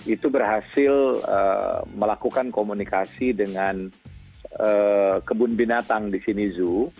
itu berhasil melakukan komunikasi dengan kebun binatang di sini zoo